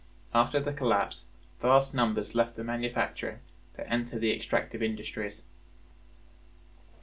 After the collapse vast numbers left the manufacturing to enter the extractive industries.